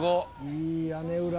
いい屋根裏。